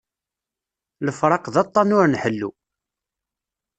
Lefraq d aṭan ur nḥellu